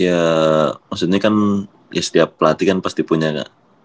ya maksudnya kan ya setiap pelatih kan pasti punya kan